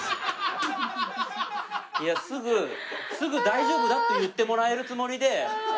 いやすぐすぐ大丈夫だって言ってもらえるつもりで。